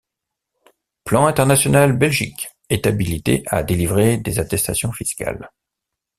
Plan International Belgique est habilité à délivrer des attestations fiscales.